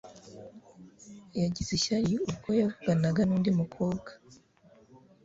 Yagize ishyari ubwo yavuganaga nundi mukobwa